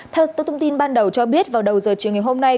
theo thông tin ban đầu cho biết vào đầu giờ chiều ngày hôm nay